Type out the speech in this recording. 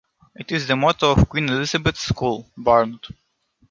It is the motto of Queen Elizabeth's School, Barnet.